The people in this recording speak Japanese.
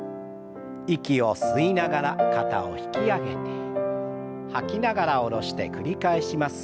息を吸いながら肩を引き上げて吐きながら下ろして繰り返します。